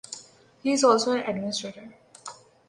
He is also an Administrator.